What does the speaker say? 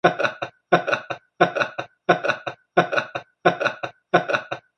He also enjoyed success in the individual medley and the butterfly.